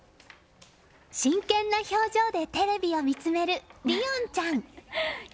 真剣な表情でテレビを見つめる凜音ちゃん。